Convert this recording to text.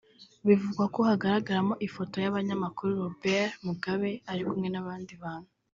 bivugwa ko hagaragaramo ifoto y’umunyamakuru Robert Mugabe ari kumwe n’abandi bantu